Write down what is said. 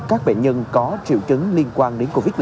các bệnh nhân có triệu chứng liên quan đến covid một mươi